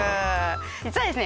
実はです